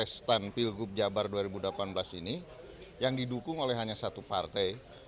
stand pilgub jabar dua ribu delapan belas ini yang didukung oleh hanya satu partai